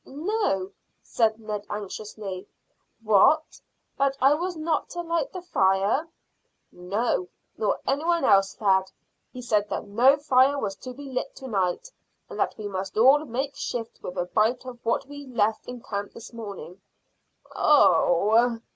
"No," said Ned anxiously; "what? That I was not to light the fire?" "No, nor any one else, lad. He said that no fire was to be lit to night, and that we must all make shift with a bite of what we left in camp this morning." "Oh!"